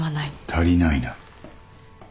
足りないな。